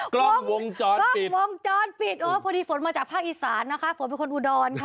กล้องวงจรปิดโอ้พอดีฝนมาจากภาคอีสานนะคะฝนเป็นคนอุดรค่ะ